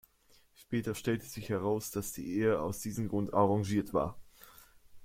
Später stellte sich heraus, dass die Ehe aus diesem Grund arrangiert war.